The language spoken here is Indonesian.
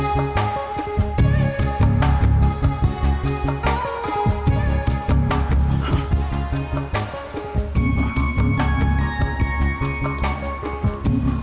sampai jumpa lagi